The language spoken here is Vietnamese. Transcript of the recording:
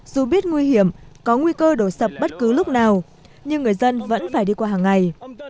dù biết nguy hiểm có nguy cơ đổ sập bất cứ lúc nào nhưng người dân vẫn phải đi qua hàng ngày